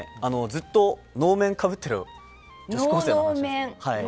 ずっと能面をかぶっている女子高校生の話です。